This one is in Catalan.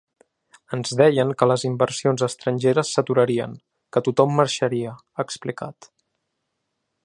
Ens deien que les inversions estrangeres s’aturarien, que tothom marxaria, ha explicat.